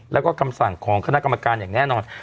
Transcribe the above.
แล้วก็คำสั่งของคณะกรรมการอย่างแน่นอน